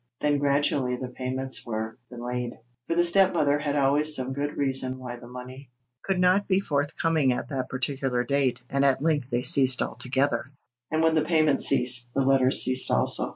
Then gradually the payments were delayed, for the stepmother had always some good reason why the money could not be forthcoming at that particular date, and at length they ceased altogether. And when the payments ceased, the letters ceased also.